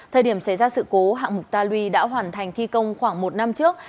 thời điểm xảy ra sự cố hạng mục ta lui đã hoàn thành thi công khoảng một năm trước